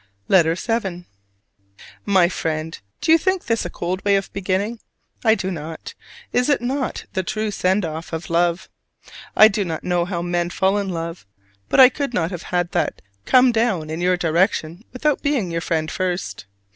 LETTER VII. My Friend: Do you think this a cold way of beginning? I do not: is it not the true send off of love? I do not know how men fall in love: but I could not have had that come down in your direction without being your friend first.